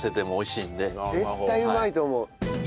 絶対うまいと思う。